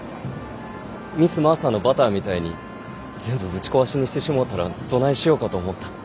ミス・マーサのバターみたいに全部ぶち壊しにしてしもうたらどないしょうかと思った。